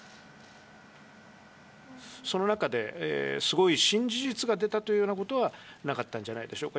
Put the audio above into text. その中で、すごい新事実が出たというようなことはなかったんじゃないでしょうか。